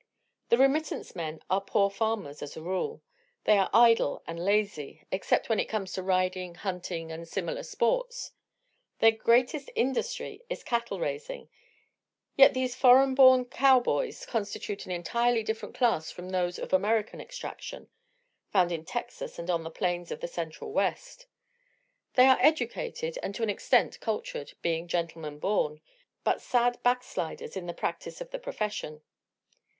The remittance men are poor farmers, as a rule. They are idle and lazy except when it comes to riding, hunting and similar sports. Their greatest industry is cattle raising, yet these foreign born "cowboys" constitute an entirely different class from those of American extraction, found in Texas and on the plains of the Central West. They are educated and to an extent cultured, being "gentlemen born" but sad backsliders in the practise of the profession.